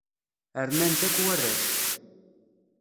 Rnan-t akk warrac.